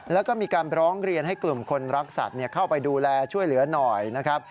แล้วก็มีการร้องเรียนให้กลุ่มคนรักสัตว์เข้าไปดูแลช่วยเหลือหน่อยนะครับ